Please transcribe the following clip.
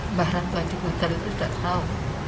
mbah ranto edi gudel itu tidak tahu